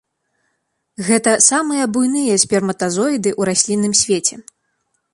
Гэта самыя буйныя сперматазоіды ў раслінным свеце.